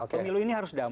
pemilu ini harus damai